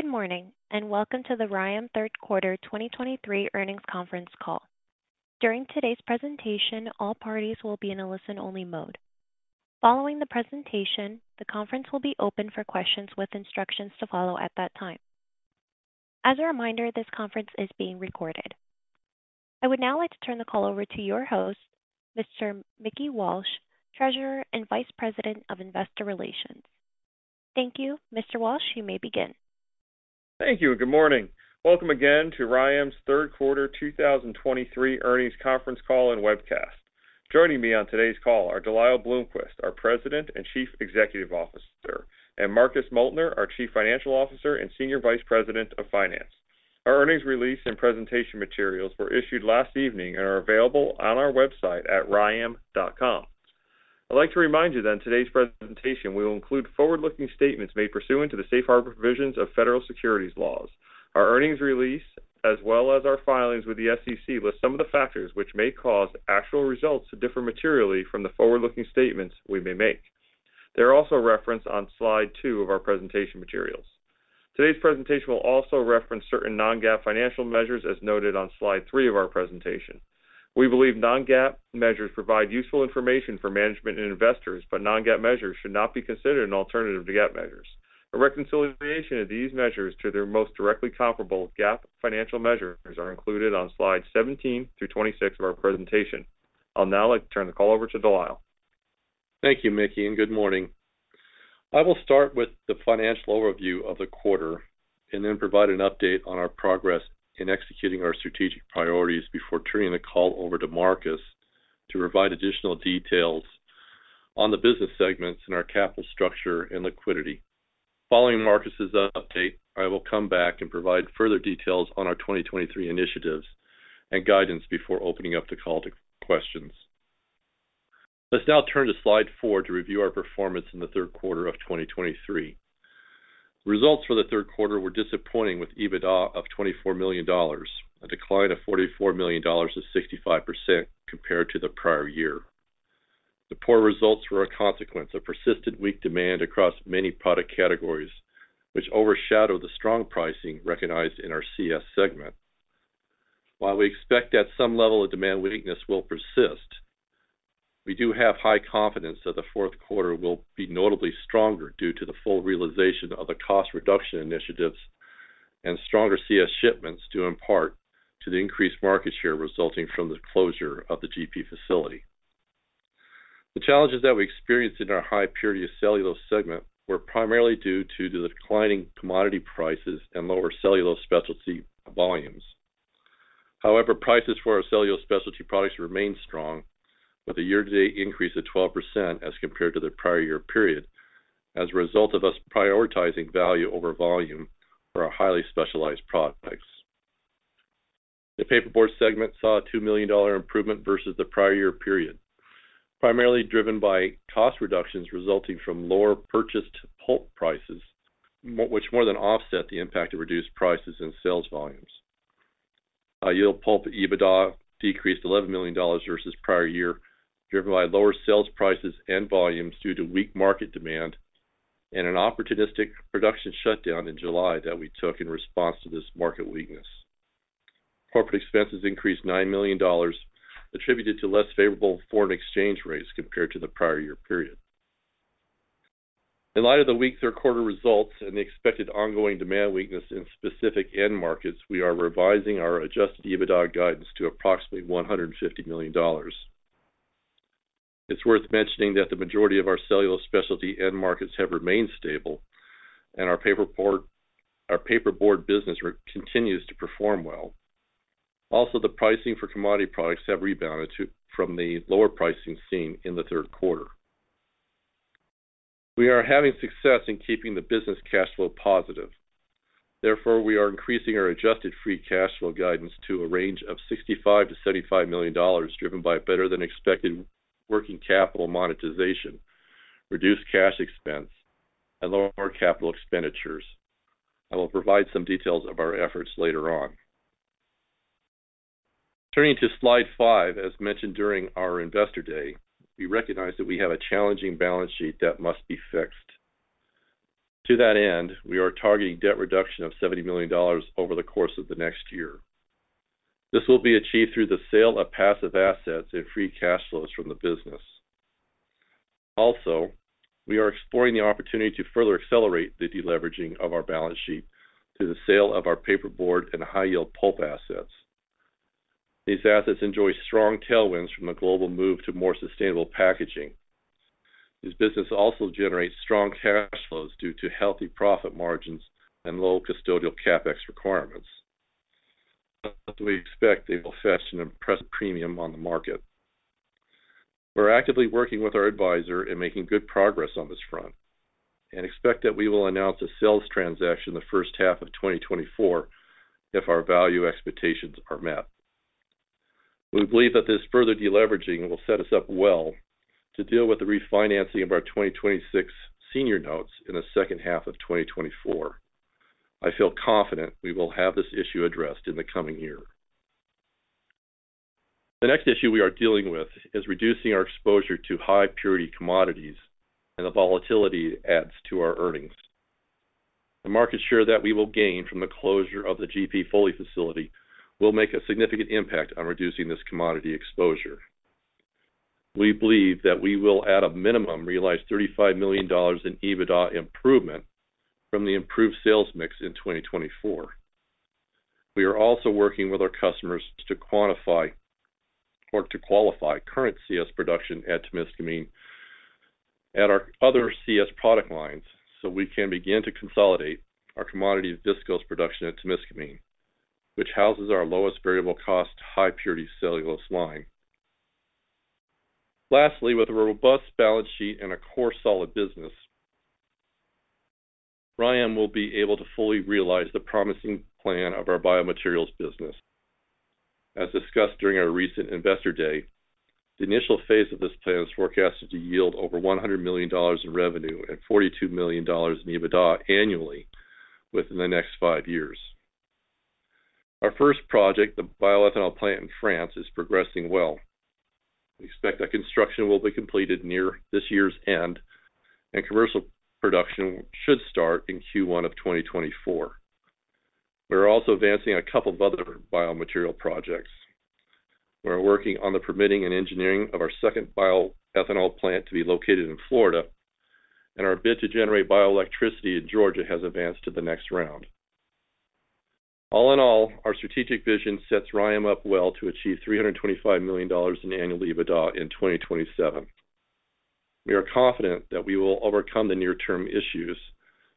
Good morning, and welcome to the RYAM third quarter 2023 earnings conference call. During today's presentation, all parties will be in a listen-only mode. Following the presentation, the conference will be open for questions with instructions to follow at that time. As a reminder, this conference is being recorded. I would now like to turn the call over to your host, Mr. Mickey Walsh, Treasurer and Vice President of Investor Relations. Thank you. Mr. Walsh, you may begin. Thank you, and good morning. Welcome again to RYAM's third quarter 2023 earnings conference call and webcast. Joining me on today's call are De Lyle Bloomquist, our President and Chief Executive Officer, and Marcus Moeltner, our Chief Financial Officer and Senior Vice President of Finance. Our earnings release and presentation materials were issued last evening and are available on our website at ryam.com. I'd like to remind you that today's presentation will include forward-looking statements made pursuant to the safe harbor provisions of federal securities laws. Our earnings release, as well as our filings with the SEC, list some of the factors which may cause actual results to differ materially from the forward-looking statements we may make. They are also referenced on slide 2 of our presentation materials. Today's presentation will also reference certain non-GAAP financial measures, as noted on slide 3 of our presentation. We believe non-GAAP measures provide useful information for management and investors, but non-GAAP measures should not be considered an alternative to GAAP measures. A reconciliation of these measures to their most directly comparable GAAP financial measures are included on slides 17 through 26 of our presentation. I'll now like to turn the call over to De Lyle. Thank you, Mickey, and good morning. I will start with the financial overview of the quarter and then provide an update on our progress in executing our strategic priorities before turning the call over to Marcus to provide additional details on the business segments and our capital structure and liquidity. Following Marcus's update, I will come back and provide further details on our 2023 initiatives and guidance before opening up the call to questions. Let's now turn to slide 4 to review our performance in the third quarter of 2023. Results for the third quarter were disappointing, with EBITDA of $24 million, a decline of $44 million or 65% compared to the prior year. The poor results were a consequence of persistent weak demand across many product categories, which overshadowed the strong pricing recognized in our CS segment. While we expect that some level of demand weakness will persist, we do have high confidence that the fourth quarter will be notably stronger due to the full realization of the cost reduction initiatives and stronger CS shipments, due in part to the increased market share resulting from the closure of the GP facility. The challenges that we experienced in our High-Purity Cellulose segment were primarily due to the declining commodity prices and lower cellulose specialty volumes. However, prices for our cellulose specialty products remain strong, with a year-to-date increase of 12% as compared to the prior year period, as a result of us prioritizing value over volume for our highly specialized products. The Paperboard segment saw a $2 million improvement versus the prior year period, primarily driven by cost reductions resulting from lower purchased pulp prices, which more than offset the impact of reduced prices and sales volumes. High-Yield Pulp EBITDA decreased $11 million versus prior year, driven by lower sales prices and volumes due to weak market demand and an opportunistic production shutdown in July that we took in response to this market weakness. Corporate expenses increased $9 million, attributed to less favorable foreign exchange rates compared to the prior year period. In light of the weak third quarter results and the expected ongoing demand weakness in specific end markets, we are revising our Adjusted EBITDA guidance to approximately $150 million. It's worth mentioning that the majority of our cellulose specialty end markets have remained stable, and our paperboard, our paperboard business continues to perform well. Also, the pricing for commodity products have rebounded from the lower pricing seen in the third quarter. We are having success in keeping the business cash flow positive. Therefore, we are increasing our adjusted free cash flow guidance to a range of $65 million-$75 million, driven by better-than-expected working capital monetization, reduced cash expense, and lower capital expenditures. I will provide some details of our efforts later on. Turning to slide 5, as mentioned during our Investor Day, we recognize that we have a challenging balance sheet that must be fixed. To that end, we are targeting debt reduction of $70 million over the course of the next year. This will be achieved through the sale of passive assets and free cash flows from the business. Also, we are exploring the opportunity to further accelerate the deleveraging of our balance sheet through the sale of our paperboard and high-yield pulp assets. These assets enjoy strong tailwinds from the global move to more sustainable packaging. This business also generates strong cash flows due to healthy profit margins and low Custodial CapEx requirements. We expect they will fetch an impressive premium on the market. We're actively working with our advisor and making good progress on this front and expect that we will announce a sales transaction in the first half of 2024 if our value expectations are met. We believe that this further deleveraging will set us up well to deal with the refinancing of our 2026 senior notes in the second half of 2024. I feel confident we will have this issue addressed in the coming year. The next issue we are dealing with is reducing our exposure to high-purity commodities, and the volatility adds to our earnings. The market share that we will gain from the closure of the GP Foley facility will make a significant impact on reducing this commodity exposure. We believe that we will, at a minimum, realize $35 million in EBITDA improvement from the improved sales mix in 2024. We are also working with our customers to quantify or to qualify current CS production at Témiscaming, at our other CS product lines, so we can begin to consolidate our commodity viscose production at Témiscaming, which houses our lowest variable cost, high-purity cellulose line. Lastly, with a robust balance sheet and a core, solid business, RYAM will be able to fully realize the promising plan of our biomaterials business. As discussed during our recent Investor Day, the initial phase of this plan is forecasted to yield over $100 million in revenue and $42 million in EBITDA annually within the next five years. Our first project, the bioethanol plant in France, is progressing well. We expect that construction will be completed near this year's end, and commercial production should start in Q1 of 2024. We are also advancing a couple of other biomaterial projects. We are working on the permitting and engineering of our second bioethanol plant to be located in Florida, and our bid to generate bioelectricity in Georgia has advanced to the next round. All in all, our strategic vision sets RYAM up well to achieve $325 million in annual EBITDA in 2027. We are confident that we will overcome the near-term issues,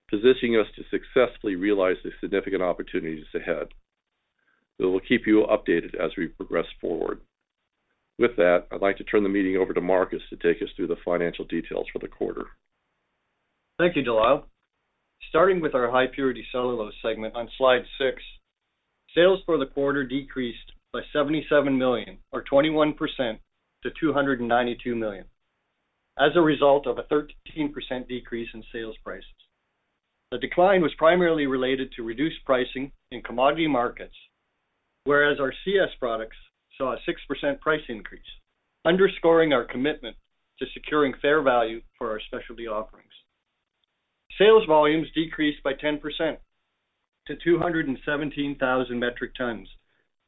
positioning us to successfully realize the significant opportunities ahead. We will keep you updated as we progress forward. With that, I'd like to turn the meeting over to Marcus to take us through the financial details for the quarter. Thank you, De Lyle. Starting with our High-Purity Cellulose segment on Slide 6, sales for the quarter decreased by $77 million, or 21% to $292 million, as a result of a 13% decrease in sales prices. The decline was primarily related to reduced pricing in commodity markets, whereas our CS products saw a 6% price increase, underscoring our commitment to securing fair value for our specialty offerings. Sales volumes decreased by 10% to 217,000 metric tons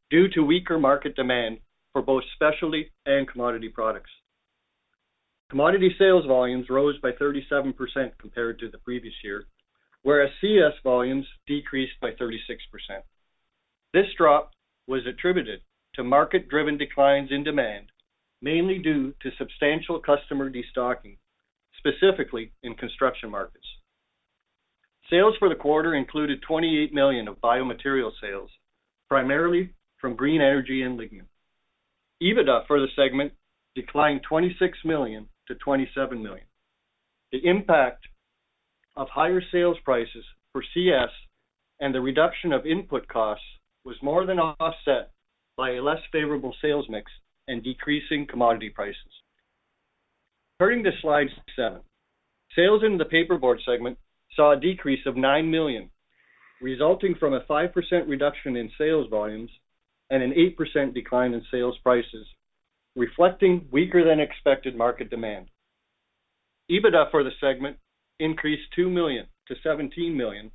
due to weaker market demand for both specialty and commodity products. Commodity sales volumes rose by 37% compared to the previous year, whereas CS volumes decreased by 36%. This drop was attributed to market-driven declines in demand, mainly due to substantial customer destocking, specifically in construction markets. Sales for the quarter included $28 million of biomaterials sales, primarily from green energy and lignin. EBITDA for the segment declined $26 million-$27 million. The impact of higher sales prices for CS and the reduction of input costs was more than offset by a less favorable sales mix and decreasing commodity prices. Turning to Slide 7, sales in the paperboard segment saw a decrease of $9 million, resulting from a 5% reduction in sales volumes and an 8% decline in sales prices, reflecting weaker than expected market demand. EBITDA for the segment increased $2 million-$17 million,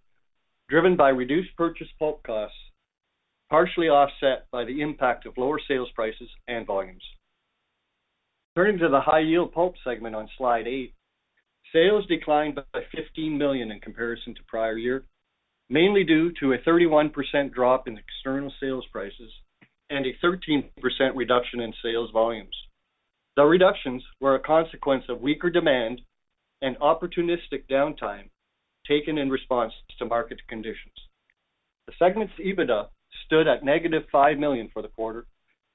driven by reduced purchase pulp costs, partially offset by the impact of lower sales prices and volumes. Turning to the high-yield pulp segment on Slide 8, sales declined by $15 million in comparison to prior year, mainly due to a 31% drop in external sales prices and a 13% reduction in sales volumes. The reductions were a consequence of weaker demand and opportunistic downtime taken in response to market conditions. The segment's EBITDA stood at -$5 million for the quarter,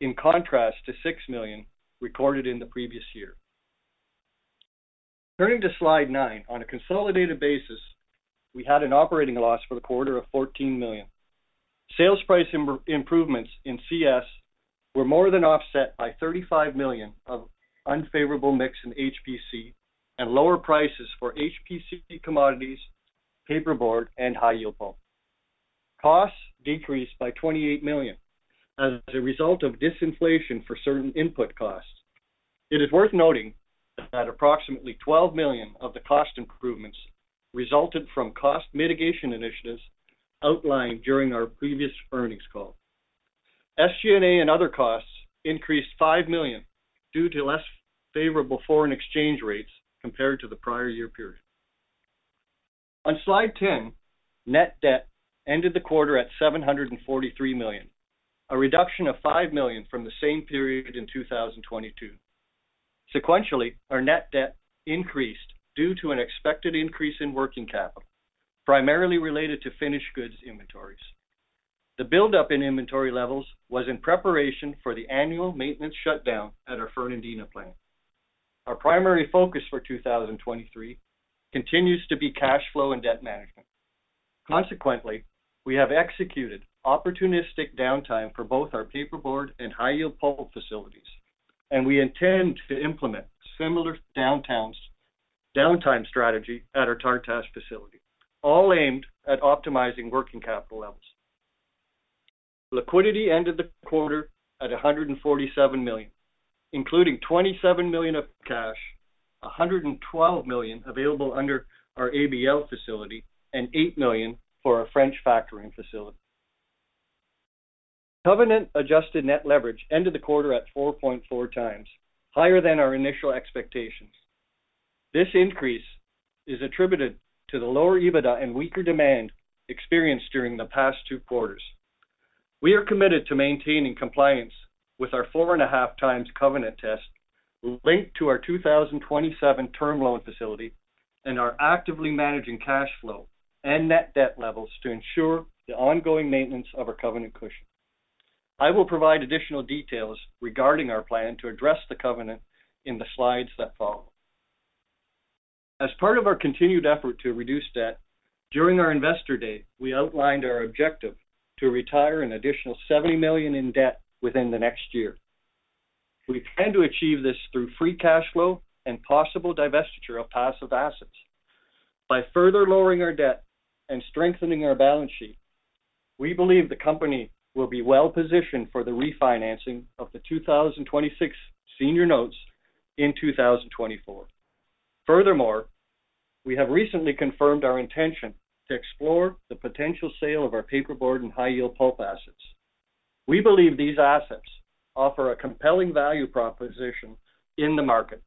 in contrast to $6 million recorded in the previous year. Turning to Slide 9, on a consolidated basis, we had an operating loss for the quarter of $14 million. Sales price improvements in CS were more than offset by $35 million of unfavorable mix in HPC and lower prices for HPC commodities, paperboard, and high-yield pulp. Costs decreased by $28 million as a result of disinflation for certain input costs. It is worth noting that approximately $12 million of the cost improvements resulted from cost mitigation initiatives outlined during our previous earnings call. SG&A and other costs increased $5 million due to less favorable foreign exchange rates compared to the prior year period. On Slide 10, net debt ended the quarter at $743 million, a reduction of $5 million from the same period in 2022. Sequentially, our net debt increased due to an expected increase in working capital, primarily related to finished goods inventories. The buildup in inventory levels was in preparation for the annual maintenance shutdown at our Fernandina plant. Our primary focus for 2023 continues to be cash flow and debt management. Consequently, we have executed opportunistic downtime for both our paperboard and high-yield pulp facilities.... We intend to implement similar downtime strategy at our Tartas facility, all aimed at optimizing working capital levels. Liquidity ended the quarter at $147 million, including $27 million of cash, $112 million available under our ABL facility, and $8 million for our French factoring facility. Covenant adjusted net leverage ended the quarter at 4.4 times, higher than our initial expectations. This increase is attributed to the lower EBITDA and weaker demand experienced during the past two quarters. We are committed to maintaining compliance with our 4.5 times covenant test, linked to our 2027 term loan facility, and are actively managing cash flow and net debt levels to ensure the ongoing maintenance of our covenant cushion. I will provide additional details regarding our plan to address the covenant in the slides that follow. As part of our continued effort to reduce debt, during our investor day, we outlined our objective to retire an additional $70 million in debt within the next year. We plan to achieve this through Free Cash Flow and possible divestiture of passive assets. By further lowering our debt and strengthening our balance sheet, we believe the company will be well-positioned for the refinancing of the 2026 Senior Notes in 2024. Furthermore, we have recently confirmed our intention to explore the potential sale of our Paperboard and High-Yield Pulp assets. We believe these assets offer a compelling value proposition in the market,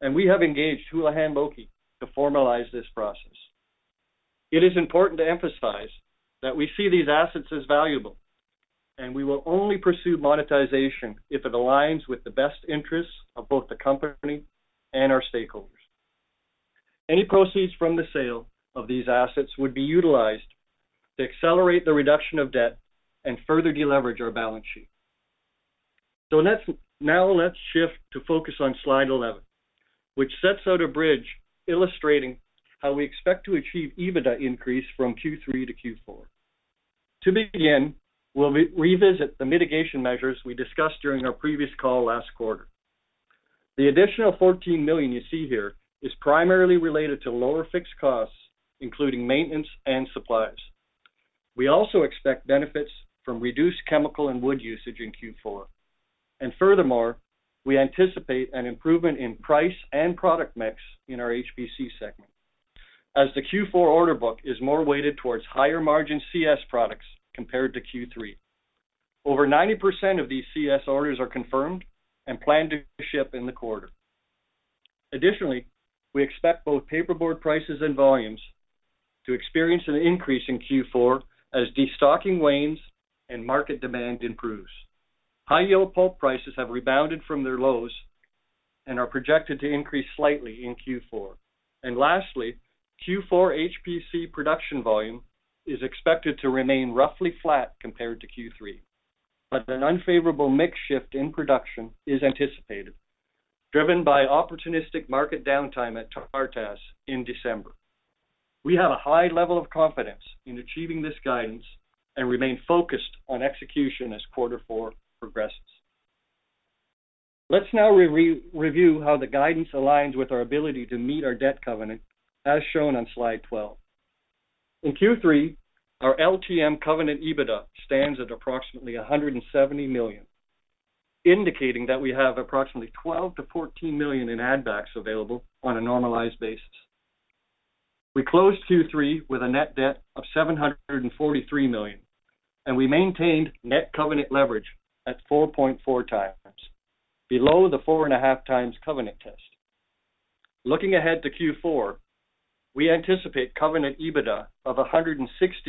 and we have engaged Houlihan Lokey to formalize this process. It is important to emphasize that we see these assets as valuable, and we will only pursue monetization if it aligns with the best interests of both the company and our stakeholders. Any proceeds from the sale of these assets would be utilized to accelerate the reduction of debt and further deleverage our balance sheet. Now let's shift to focus on Slide 11, which sets out a bridge illustrating how we expect to achieve EBITDA increase from Q3 to Q4. To begin, we'll revisit the mitigation measures we discussed during our previous call last quarter. The additional $14 million you see here is primarily related to lower fixed costs, including maintenance and supplies. We also expect benefits from reduced chemical and wood usage in Q4. And furthermore, we anticipate an improvement in price and product mix in our HPC segment, as the Q4 order book is more weighted towards higher-margin CS products compared to Q3. Over 90% of these CS orders are confirmed and planned to ship in the quarter. Additionally, we expect both Paperboard prices and volumes to experience an increase in Q4 as destocking wanes and market demand improves. High-Yield Pulp prices have rebounded from their lows and are projected to increase slightly in Q4. And lastly, Q4 HPC production volume is expected to remain roughly flat compared to Q3, but an unfavorable mix shift in production is anticipated, driven by opportunistic market downtime at Tartas in December. We have a high level of confidence in achieving this guidance and remain focused on execution as quarter four progresses. Let's now re-review how the guidance aligns with our ability to meet our debt covenant, as shown on Slide 12. In Q3, our LTM covenant EBITDA stands at approximately $170 million, indicating that we have approximately $12 million-$14 million in add backs available on a normalized basis. We closed Q3 with a net debt of $743 million, and we maintained net covenant leverage at 4.4 times, below the 4.5 times covenant test. Looking ahead to Q4, we anticipate covenant EBITDA of $160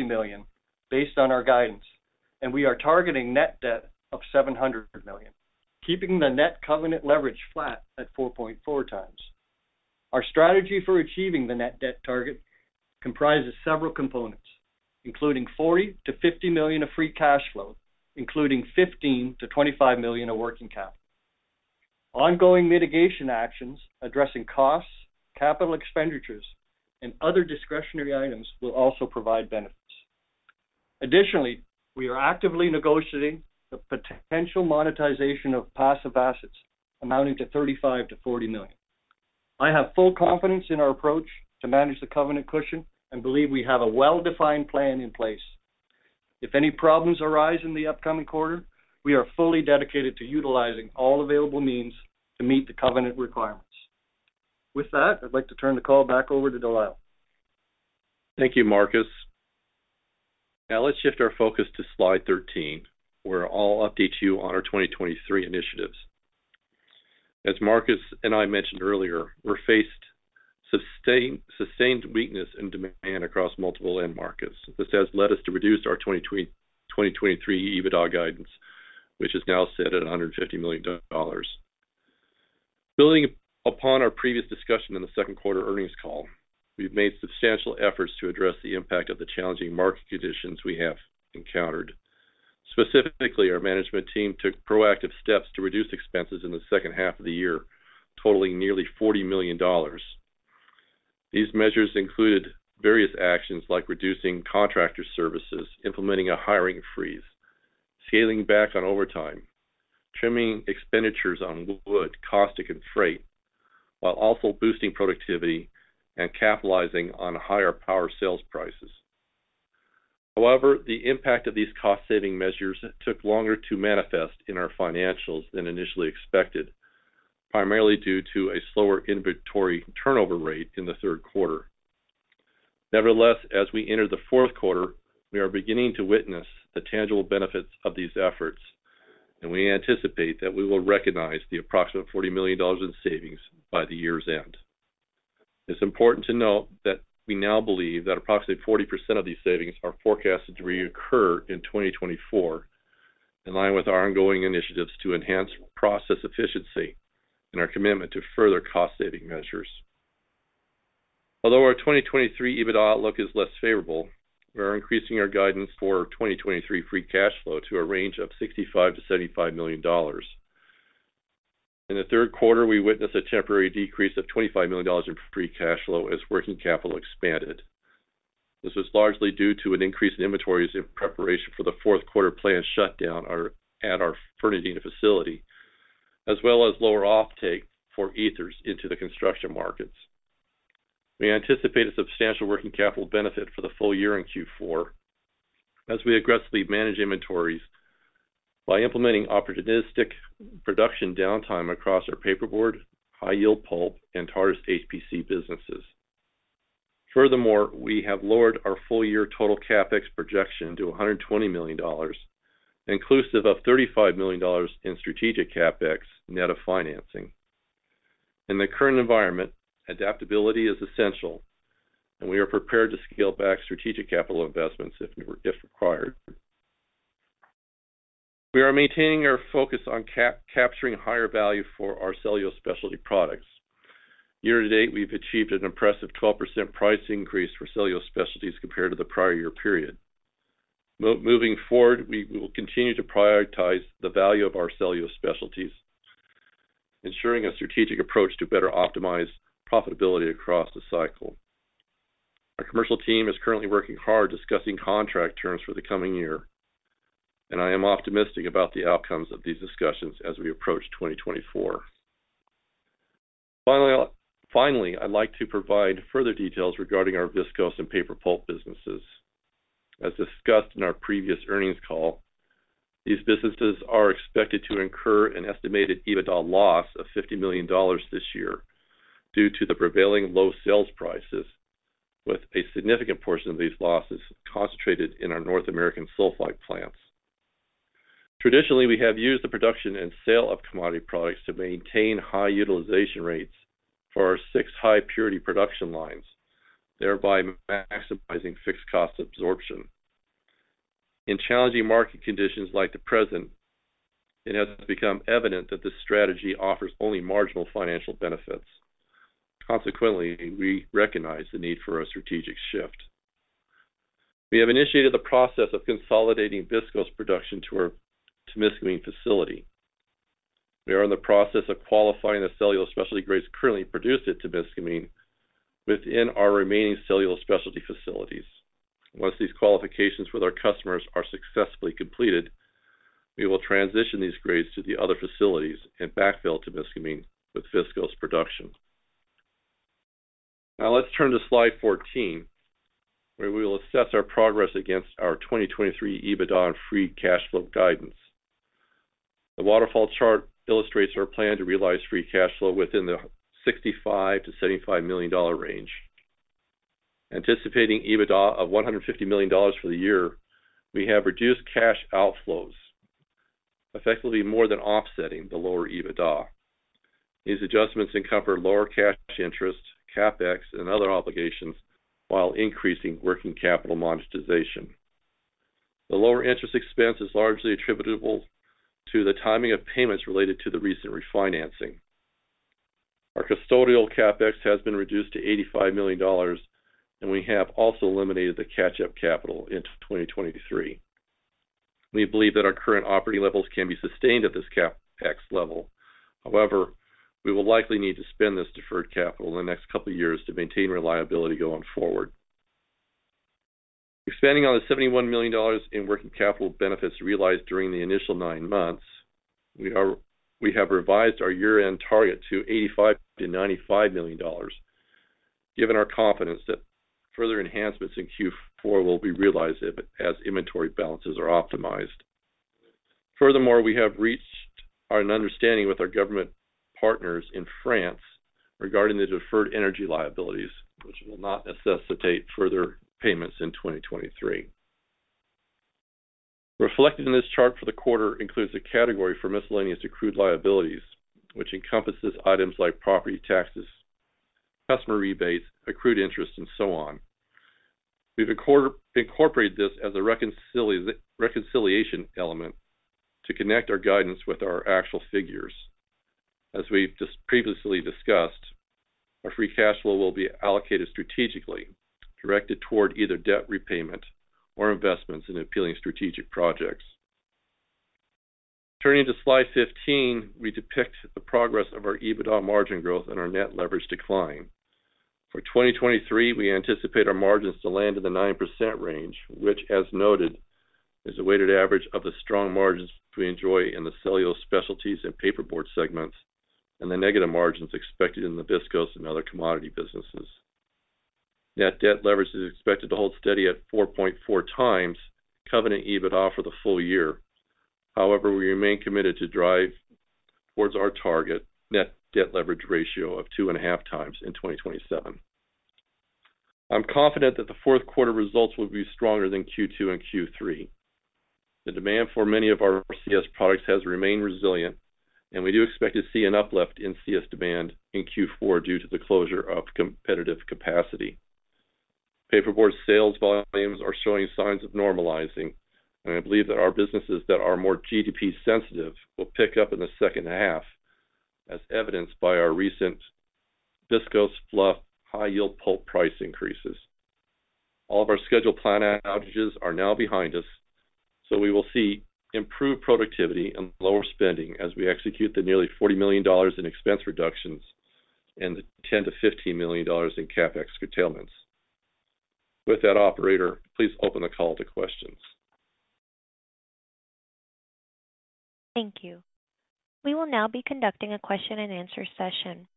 million based on our guidance, and we are targeting net debt of $700 million, keeping the net covenant leverage flat at 4.4 times. Our strategy for achieving the net debt target comprises several components, including $40 million-$50 million of free cash flow, including $15 million-$25 million of working capital. Ongoing mitigation actions addressing costs, capital expenditures, and other discretionary items will also provide benefits. Additionally, we are actively negotiating the potential monetization of passive assets amounting to $35 million-$40 million. I have full confidence in our approach to manage the covenant cushion and believe we have a well-defined plan in place. If any problems arise in the upcoming quarter, we are fully dedicated to utilizing all available means to meet the covenant requirements. With that, I'd like to turn the call back over to De Lyle. Thank you, Marcus. Now, let's shift our focus to Slide 13, where I'll update you on our 2023 initiatives. As Marcus and I mentioned earlier, we're faced with sustained weakness in demand across multiple end markets. This has led us to reduce our 2023 EBITDA guidance, which is now set at $150 million. Building upon our previous discussion in the second quarter earnings call, we've made substantial efforts to address the impact of the challenging market conditions we have encountered. Specifically, our management team took proactive steps to reduce expenses in the second half of the year, totaling nearly $40 million. These measures included various actions like reducing contractor services, implementing a hiring freeze, scaling back on overtime, trimming expenditures on wood, caustic, and freight, while also boosting productivity and capitalizing on higher power sales prices. However, the impact of these cost-saving measures took longer to manifest in our financials than initially expected, primarily due to a slower inventory turnover rate in the third quarter. Nevertheless, as we enter the fourth quarter, we are beginning to witness the tangible benefits of these efforts, and we anticipate that we will recognize the approximate $40 million in savings by the year's end. It's important to note that we now believe that approximately 40% of these savings are forecasted to reoccur in 2024, in line with our ongoing initiatives to enhance process efficiency and our commitment to further cost-saving measures. Although our 2023 EBITDA outlook is less favorable, we are increasing our guidance for 2023 free cash flow to a range of $65 million-$75 million. In the third quarter, we witnessed a temporary decrease of $25 million in free cash flow as working capital expanded. This was largely due to an increase in inventories in preparation for the fourth quarter planned shutdown at our Fernandina facility, as well as lower offtake for ethers into the construction markets. We anticipate a substantial working capital benefit for the full year in Q4 as we aggressively manage inventories by implementing opportunistic production downtime across our paperboard, high-yield pulp, and tarred HPC businesses. Furthermore, we have lowered our full-year total CapEx projection to $120 million, inclusive of $35 million in strategic CapEx, net of financing. In the current environment, adaptability is essential, and we are prepared to scale back strategic capital investments if required. We are maintaining our focus on capturing higher value for our cellulose specialty products. Year-to-date, we've achieved an impressive 12% price increase for cellulose specialties compared to the prior year period. Moving forward, we will continue to prioritize the value of our cellulose specialties, ensuring a strategic approach to better optimize profitability across the cycle. Our commercial team is currently working hard discussing contract terms for the coming year, and I am optimistic about the outcomes of these discussions as we approach 2024. Finally, finally, I'd like to provide further details regarding our viscose and paper pulp businesses. As discussed in our previous earnings call, these businesses are expected to incur an estimated EBITDA loss of $50 million this year due to the prevailing low sales prices, with a significant portion of these losses concentrated in our North American sulfite plants. Traditionally, we have used the production and sale of commodity products to maintain high utilization rates for our 6 high-purity production lines, thereby maximizing fixed cost absorption. In challenging market conditions like the present, it has become evident that this strategy offers only marginal financial benefits. Consequently, we recognize the need for a strategic shift. We have initiated the process of consolidating viscose production to our Tartas facility. We are in the process of qualifying the cellulose specialty grades currently produced at Tartas within our remaining cellulose specialty facilities. Once these qualifications with our customers are successfully completed, we will transition these grades to the other facilities and backfill Tartas with viscose production. Now, let's turn to slide 14, where we will assess our progress against our 2023 EBITDA and free cash flow guidance. The waterfall chart illustrates our plan to realize free cash flow within the $65-$75 million range. Anticipating EBITDA of $150 million for the year, we have reduced cash outflows, effectively more than offsetting the lower EBITDA. These adjustments encompass lower cash interest, CapEx, and other obligations while increasing working capital monetization. The lower interest expense is largely attributable to the timing of payments related to the recent refinancing. Our custodial CapEx has been reduced to $85 million, and we have also eliminated the catch-up capital into 2023. We believe that our current operating levels can be sustained at this CapEx level. However, we will likely need to spend this deferred capital in the next couple of years to maintain reliability going forward. Expanding on the $71 million in working capital benefits realized during the initial 9 months, we have revised our year-end target to $85 million-$95 million, given our confidence that further enhancements in Q4 will be realized as inventory balances are optimized. Furthermore, we have reached an understanding with our government partners in France regarding the deferred energy liabilities, which will not necessitate further payments in 2023. Reflected in this chart for the quarter includes a category for miscellaneous accrued liabilities, which encompasses items like property taxes, customer rebates, accrued interest, and so on. We've incorporated this as a reconciliation element to connect our guidance with our actual figures. As we've just previously discussed, our free cash flow will be allocated strategically, directed toward either debt repayment or investments in appealing strategic projects.... Turning to Slide 15, we depict the progress of our EBITDA margin growth and our net leverage decline. For 2023, we anticipate our margins to land in the 9% range, which, as noted, is a weighted average of the strong margins we enjoy in the cellulose specialties and paperboard segments, and the negative margins expected in the viscose and other commodity businesses. Net debt leverage is expected to hold steady at 4.4 times covenant EBITDA for the full year. However, we remain committed to drive towards our target net debt leverage ratio of 2.5 times in 2027. I'm confident that the fourth quarter results will be stronger than Q2 and Q3. The demand for many of our CS products has remained resilient, and we do expect to see an uplift in CS demand in Q4 due to the closure of competitive capacity. Paperboard sales volumes are showing signs of normalizing, and I believe that our businesses that are more GDP sensitive will pick up in the second half, as evidenced by our recent Viscose, Fluff Pulp, High-Yield Pulp price increases. All of our scheduled plant outages are now behind us, so we will see improved productivity and lower spending as we execute the nearly $40 million in expense reductions and the $10-$15 million in CapEx curtailments. With that, operator, please open the call to questions. Thank you. We will now be conducting a question-and-answer session.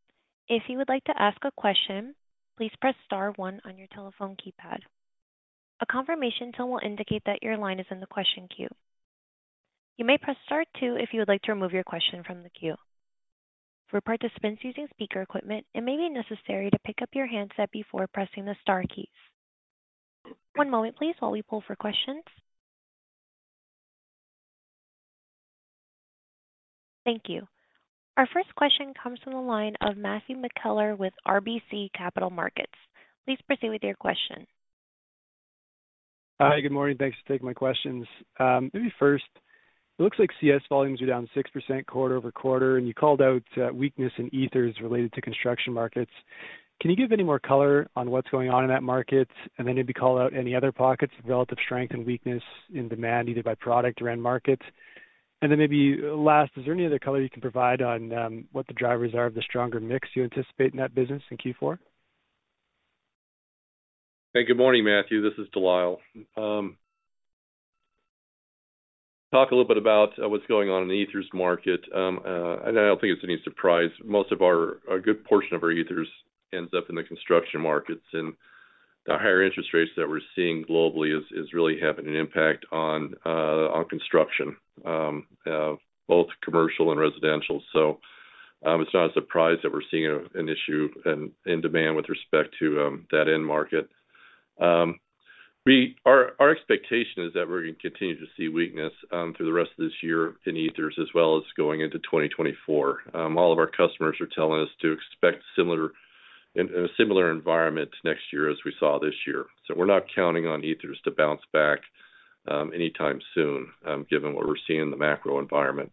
If you would like to ask a question, please press star one on your telephone keypad. A confirmation tone will indicate that your line is in the question queue. You may press star two if you would like to remove your question from the queue. For participants using speaker equipment, it may be necessary to pick up your handset before pressing the star keys. One moment please, while we poll for questions. Thank you. Our first question comes from the line of Matthew McKellar with RBC Capital Markets. Please proceed with your question. Hi, good morning. Thanks for taking my questions. Maybe first, it looks like CS volumes are down 6% quarter-over-quarter, and you called out weakness in ethers related to construction markets. Can you give any more color on what's going on in that market? And then maybe call out any other pockets of relative strength and weakness in demand, either by product or end markets. And then maybe last, is there any other color you can provide on what the drivers are of the stronger mix you anticipate in that business in Q4? Hey, good morning, Matthew. This is De Lyle. Talk a little bit about what's going on in the ethers market. And I don't think it's any surprise most of our—a good portion of our ethers ends up in the construction markets, and the higher interest rates that we're seeing globally is really having an impact on construction, both commercial and residential. So, it's not a surprise that we're seeing an issue in demand with respect to that end market. Our expectation is that we're going to continue to see weakness through the rest of this year in ethers as well as going into 2024. All of our customers are telling us to expect similar, in a similar environment next year as we saw this year. So we're not counting on ethers to bounce back anytime soon, given what we're seeing in the macro environment.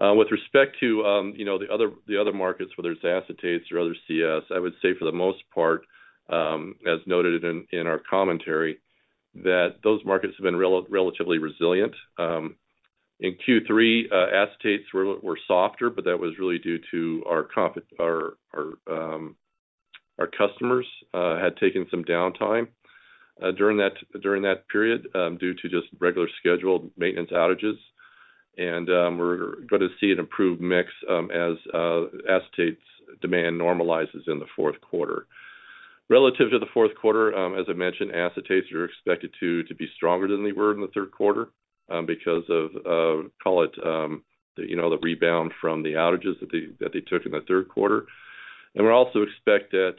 With respect to, you know, the other markets, whether it's acetates or other CS, I would say for the most part, as noted in our commentary, that those markets have been relatively resilient. In Q3, acetates were softer, but that was really due to our customers had taken some downtime during that period due to just regular scheduled maintenance outages. And we're going to see an improved mix as acetates demand normalizes in the fourth quarter. Relative to the fourth quarter, as I mentioned, acetates are expected to be stronger than they were in the third quarter, because of call it, you know, the rebound from the outages that they took in the third quarter. And we also expect that,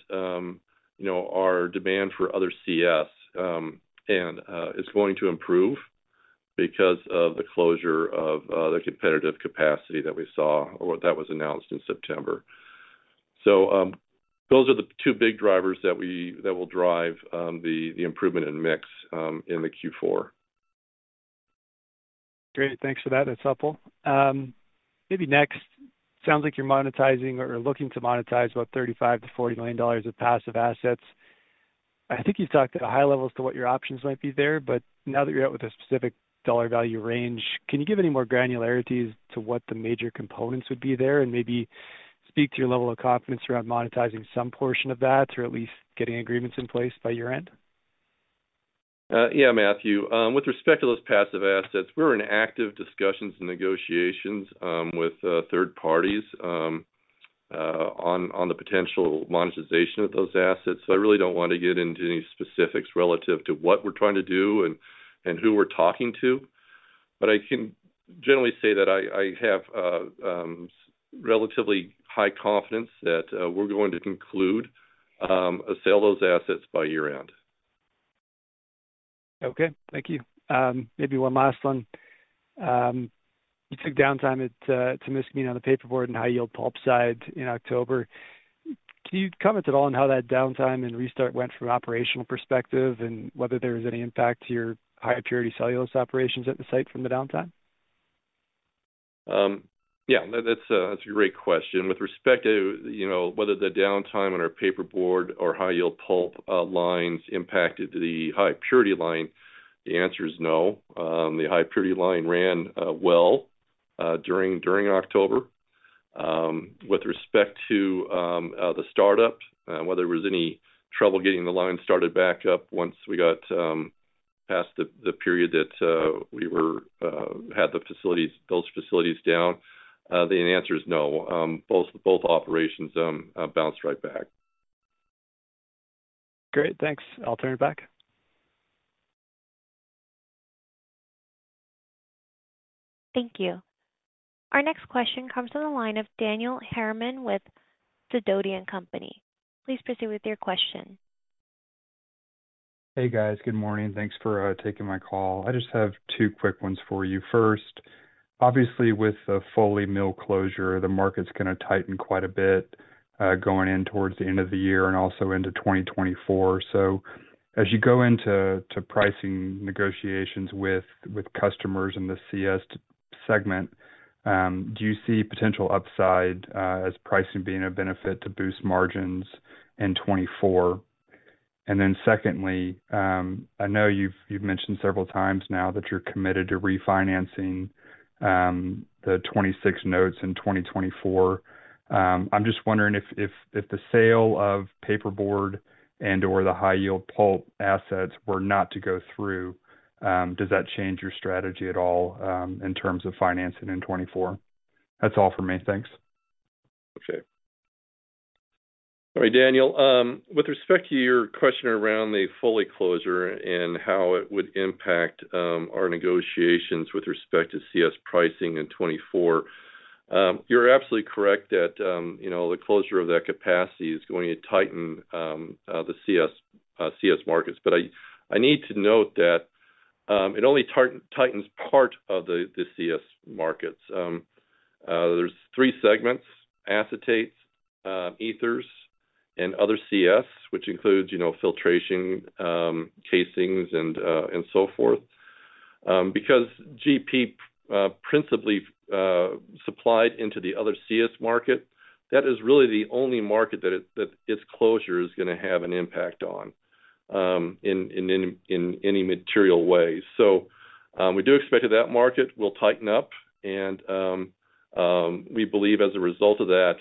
you know, our demand for other CS is going to improve because of the closure of the competitive capacity that we saw or that was announced in September. So, those are the two big drivers that will drive the improvement in mix in the Q4. Great. Thanks for that. That's helpful. Maybe next, sounds like you're monetizing or looking to monetize about $35 million-$40 million of passive assets. I think you talked at a high level as to what your options might be there, but now that you're out with a specific dollar value range, can you give any more granularity as to what the major components would be there? And maybe speak to your level of confidence around monetizing some portion of that or at least getting agreements in place by year-end. Yeah, Matthew. With respect to those passive assets, we're in active discussions and negotiations with third parties on the potential monetization of those assets. So I really don't want to get into any specifics relative to what we're trying to do and who we're talking to, but I can generally say that I have relatively high confidence that we're going to conclude a sale of those assets by year-end. Okay, thank you. Maybe one last one. You took downtime at Témiscaming on the paperboard and high-yield pulp side in October. Can you comment at all on how that downtime and restart went from an operational perspective? And whether there was any impact to your high-purity cellulose operations at the site from the downtime?... Yeah, that's a great question. With respect to, you know, whether the downtime on our paperboard or high-yield pulp lines impacted the high purity line, the answer is no. The high purity line ran well during October. With respect to the startup, whether there was any trouble getting the line started back up once we got past the period that we had the facilities, those facilities down, the answer is no. Both operations bounced right back. Great, thanks. I'll turn it back. Thank you. Our next question comes from the line of Daniel Harriman with Sidoti & Company. Please proceed with your question. Hey, guys. Good morning. Thanks for taking my call. I just have two quick ones for you. First, obviously, with the Foley mill closure, the market's gonna tighten quite a bit, going in towards the end of the year and also into 2024. So as you go into pricing negotiations with customers in the CS segment, do you see potential upside as pricing being a benefit to boost margins in 2024? And then secondly, I know you've mentioned several times now that you're committed to refinancing the 2026 notes in 2024. I'm just wondering if the sale of paperboard and/or the high-yield pulp assets were not to go through, does that change your strategy at all in terms of financing in 2024? That's all for me. Thanks. Okay. All right, Daniel, with respect to your question around the Foley closure and how it would impact our negotiations with respect to CS pricing in 2024, you're absolutely correct that, you know, the closure of that capacity is going to tighten the CS markets. But I need to note that it only tightens part of the CS markets. There's three segments: acetate, ethers, and other CS, which includes, you know, filtration, casings, and so forth. Because GP principally supplied into the other CS market, that is really the only market that its closure is gonna have an impact on, in any material way. So, we do expect that that market will tighten up, and, we believe as a result of that,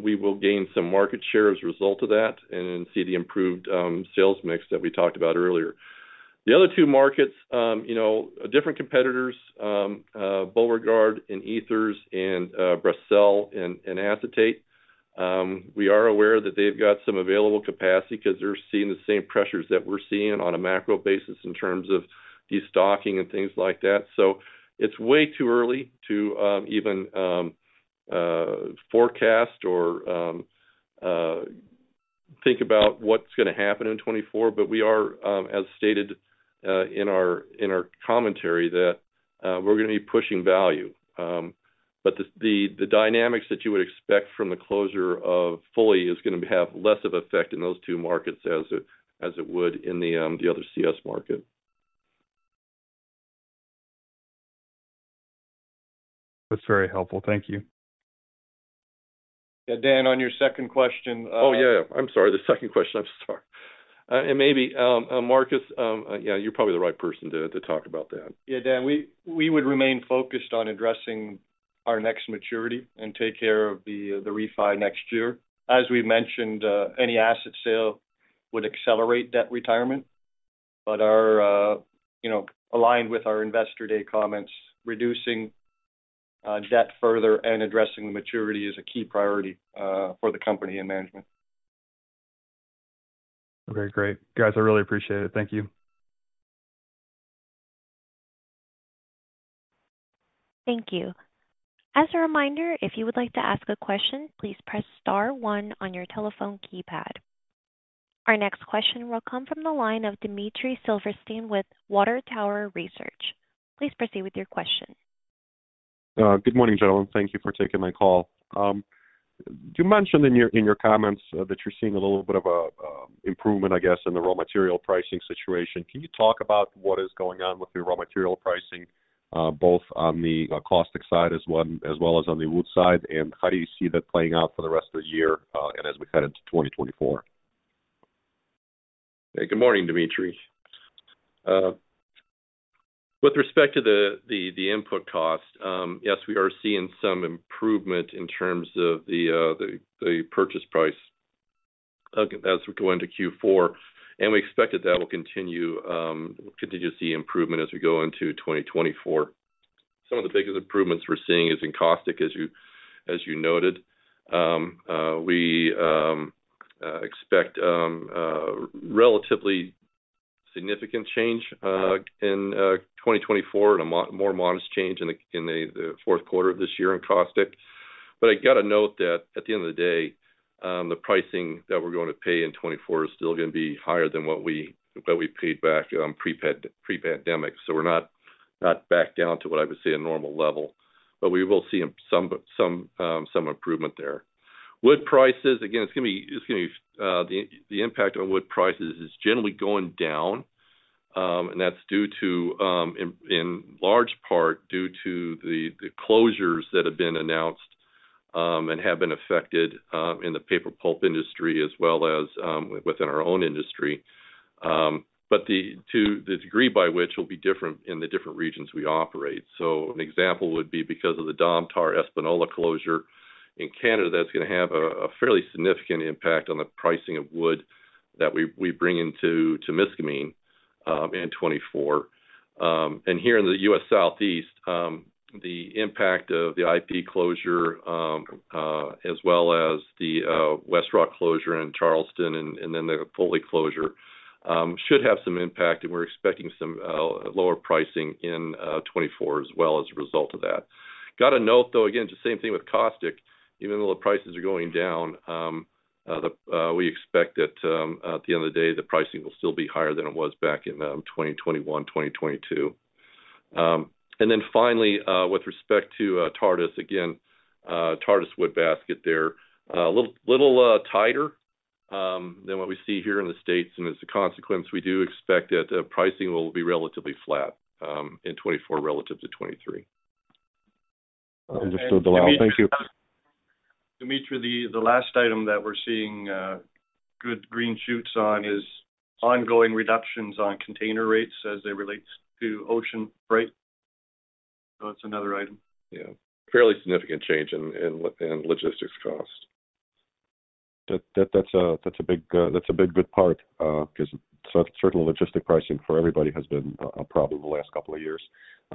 we will gain some market share as a result of that and see the improved, sales mix that we talked about earlier. The other two markets, you know, different competitors, Borregaard in ethers and, Bracell in acetate. We are aware that they've got some available capacity because they're seeing the same pressures that we're seeing on a macro basis in terms of destocking and things like that. So it's way too early to even forecast or, think about what's gonna happen in 2024. But we are, as stated, in our commentary, that, we're gonna be pushing value. But the dynamics that you would expect from the closure of Foley is gonna have less of effect in those two markets as it would in the other CS market. That's very helpful. Thank you. Yeah, Dan, on your second question, Oh, yeah, I'm sorry. The second question. I'm sorry. And maybe, Marcus, yeah, you're probably the right person to talk about that. Yeah, Dan, we would remain focused on addressing our next maturity and take care of the refi next year. As we mentioned, any asset sale would accelerate debt retirement, but our, you know, aligned with our Investor Day comments, reducing debt further and addressing the maturity is a key priority for the company and management. Okay, great. Guys, I really appreciate it. Thank you. Thank you. As a reminder, if you would like to ask a question, please press star one on your telephone keypad. Our next question will come from the line of Dmitry Silversteyn with Water Tower Research. Please proceed with your question. Good morning, gentlemen. Thank you for taking my call. You mentioned in your, in your comments, that you're seeing a little bit of a improvement, I guess, in the raw material pricing situation. Can you talk about what is going on with the raw material pricing, both on the caustic side as well, as well as on the wood side, and how do you see that playing out for the rest of the year, and as we head into 2024? Hey, good morning, Dmitry. With respect to the input cost, yes, we are seeing some improvement in terms of the purchase price as we go into Q4, and we expect that that will continue to see improvement as we go into 2024. Some of the biggest improvements we're seeing is in caustic, as you noted. We expect a relatively significant change in 2024 and a more modest change in the fourth quarter of this year in caustic. But I got to note that at the end of the day, the pricing that we're going to pay in 2024 is still going to be higher than what we paid back pre-pandemic. So we're not back down to what I would say, a normal level, but we will see some improvement there. Wood prices, again, it's gonna be the impact on wood prices is generally going down. And that's due to, in large part due to the closures that have been announced and have been affected in the paper pulp industry as well as within our own industry. But to the degree by which will be different in the different regions we operate. So an example would be because of the Domtar Espanola closure in Canada, that's gonna have a fairly significant impact on the pricing of wood that we bring into Témiscaming in 2024. And here in the U.S. Southeast, the impact of the IP closure, as well as the WestRock closure in Charleston, and then the Foley closure, should have some impact, and we're expecting some lower pricing in 2024 as well as a result of that. Got to note, though, again, it's the same thing with caustic. Even though the prices are going down, we expect that, at the end of the day, the pricing will still be higher than it was back in 2021, 2022. And then finally, with respect to Tartas, again, Tartas wood basket there, a little tighter than what we see here in the States, and as a consequence, we do expect that the pricing will be relatively flat in 2024 relative to 2023. Understood, De Lyle. Thank you. Dmitry, the last item that we're seeing good green shoots on is ongoing reductions on container rates as it relates to ocean, right? So that's another item. Yeah, fairly significant change in logistics costs. That's a big, good part, 'cause certainly logistic pricing for everybody has been a problem the last couple of years.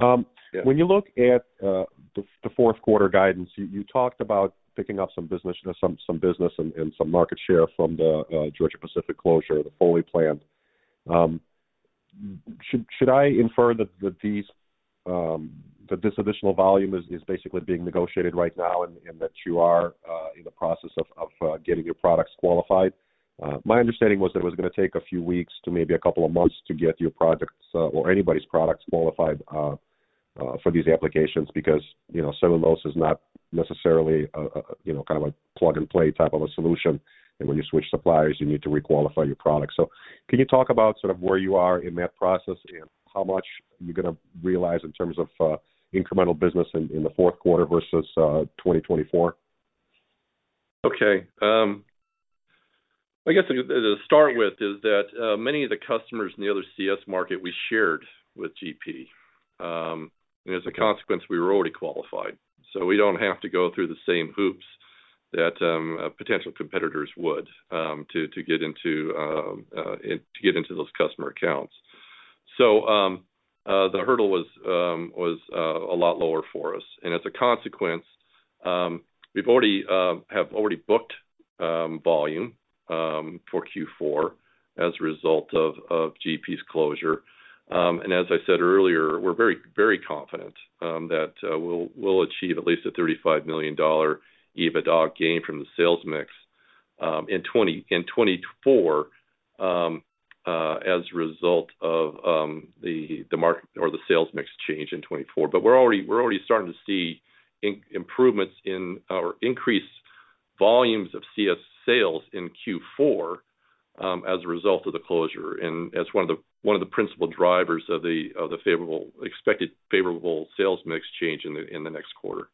Yeah. When you look at the fourth quarter guidance, you talked about picking up some business, some business and some market share from the Georgia-Pacific closure, the Foley plant. Should I infer that this additional volume is basically being negotiated right now and that you are in the process of getting your products qualified? My understanding was that it was gonna take a few weeks to maybe a couple of months to get your products or anybody's products qualified for these applications, because you know, cellulose is not necessarily a you know, kind of a plug-and-play type of a solution. When you switch suppliers, you need to requalify your products. Can you talk about sort of where you are in that process and how much you're gonna realize in terms of incremental business in the fourth quarter versus 2024? Okay, I guess to start with is that many of the customers in the other CS market we shared with GP. And as a consequence, we were already qualified, so we don't have to go through the same hoops that potential competitors would to get into those customer accounts. So the hurdle was a lot lower for us. And as a consequence, we've already booked volume for Q4 as a result of GP's closure. And as I said earlier, we're very, very confident that we'll achieve at least a $35 million EBITDA gain from the sales mix in 2024 as a result of the market or the sales mix change in 2024. But we're already starting to see improvements in our increased volumes of CS sales in Q4, as a result of the closure and as one of the principal drivers of the expected favorable sales mix change in the next quarter.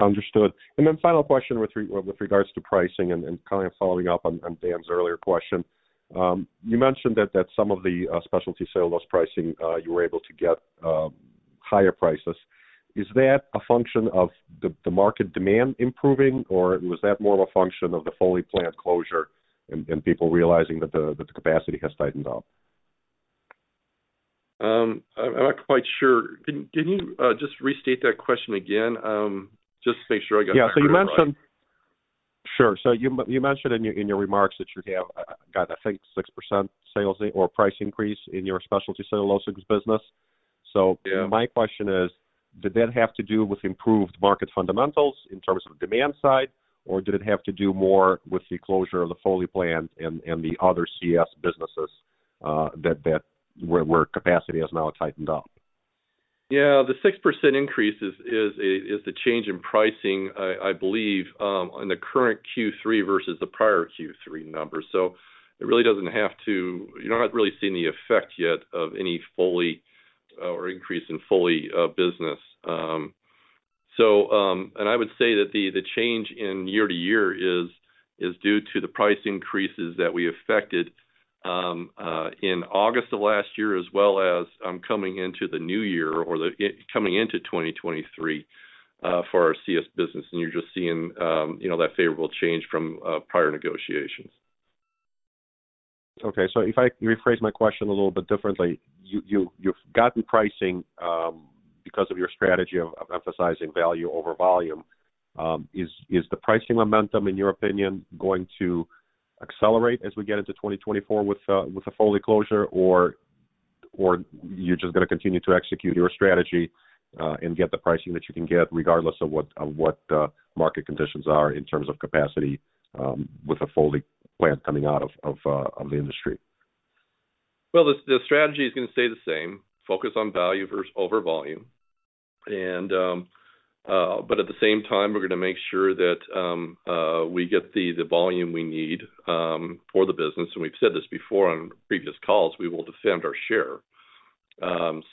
Understood. And then final question with regards to pricing and kind of following up on Dan's earlier question. You mentioned that some of the specialty sale loss pricing you were able to get higher prices. Is that a function of the market demand improving, or was that more of a function of the Foley plant closure and people realizing that the capacity has tightened up? I'm not quite sure. Can you just restate that question again? Just to make sure I got- Yeah, so you mentioned... Sure. So you mentioned in your remarks that you have got, I think, 6% sales or price increase in your specialty cellulose business. Yeah. So my question is, did that have to do with improved market fundamentals in terms of demand side, or did it have to do more with the closure of the Foley plant and the other CS businesses, that where capacity has now tightened up? Yeah, the 6% increase is the change in pricing, I believe, in the current Q3 versus the prior Q3 number. So it really doesn't have to... You're not really seeing the effect yet of any Foley or increase in Foley business. So, and I would say that the year-over-year change is due to the price increases that we effected in August of last year, as well as coming into the new year or the, coming into 2023, for our CS business. And you're just seeing, you know, that favorable change from prior negotiations. Okay. So if I rephrase my question a little bit differently, you, you've gotten pricing, because of your strategy of emphasizing value over volume. Is the pricing momentum, in your opinion, going to accelerate as we get into 2024 with the Foley closure, or you're just gonna continue to execute your strategy, and get the pricing that you can get, regardless of what market conditions are in terms of capacity, with a Foley plant coming out of the industry? Well, the strategy is gonna stay the same: focus on value over volume. And, but at the same time, we're gonna make sure that we get the volume we need for the business. And we've said this before on previous calls, we will defend our share.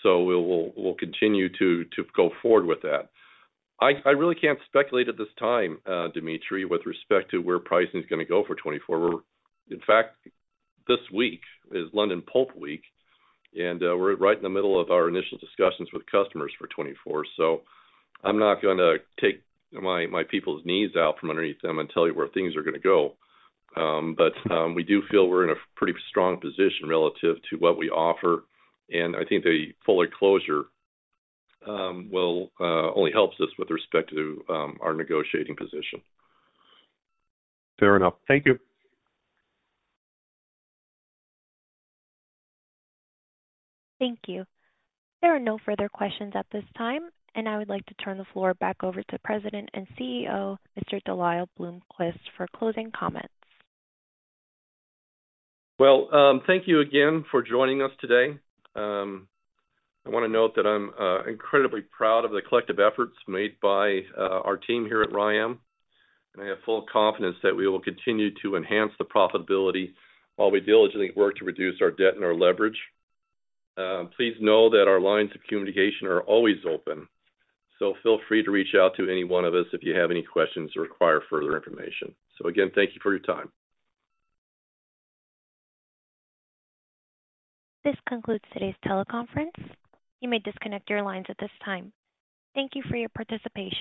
So we'll continue to go forward with that. I really can't speculate at this time, Dmitry, with respect to where pricing is gonna go for 2024. We're in fact, this week is London Pulp Week, and we're right in the middle of our initial discussions with customers for 2024, so I'm not gonna take my people's knees out from underneath them and tell you where things are gonna go. But, we do feel we're in a pretty strong position relative to what we offer, and I think the Foley closure, well, only helps us with respect to our negotiating position. Fair enough. Thank you. Thank you. There are no further questions at this time, and I would like to turn the floor back over to President and CEO, Mr. De Lyle Bloomquist, for closing comments. Well, thank you again for joining us today. I want to note that I'm incredibly proud of the collective efforts made by our team here at RYAM, and I have full confidence that we will continue to enhance the profitability while we diligently work to reduce our debt and our leverage. Please know that our lines of communication are always open, so feel free to reach out to any one of us if you have any questions or require further information. So again, thank you for your time. This concludes today's teleconference. You may disconnect your lines at this time. Thank you for your participation.